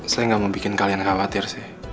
saya nggak mau bikin kalian khawatir sih